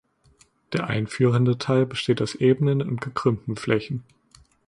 Der einführende Teil besteht aus ebenen und gekrümmten Flächen.